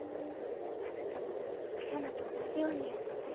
あなたもクシャナと同じように言うのね。